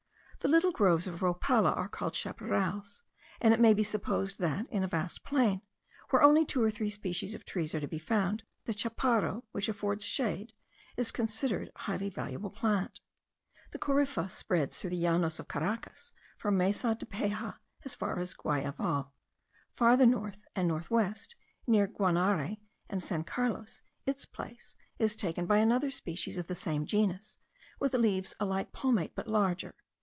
The little groves of rhopala are called chaparales; and it may be supposed that, in a vast plain, where only two or three species of trees are to be found, the chaparro, which affords shade, is considered a highly valuable plant. The corypha spreads through the Llanos of Caracas from Mesa de Peja as far as Guayaval; farther north and north west, near Guanare and San Carlos, its place is taken by another species of the same genus, with leaves alike palmate but larger.